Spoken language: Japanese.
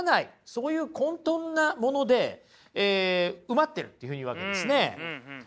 そういう混とんなもので埋まっているというふうに言うわけですね。